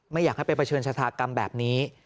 ไม่อยากให้ไปเผชิญชะธากรรมแบบนี้